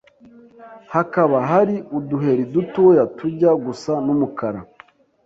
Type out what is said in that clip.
hakaba hari uduheri dutoya tujya gusa n'umukara.